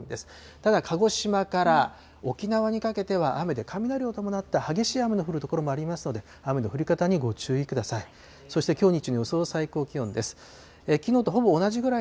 ただ、鹿児島から沖縄にかけては雨で、雷を伴った激しい雨の降る所もありますので、雨の降り方にご注意ください。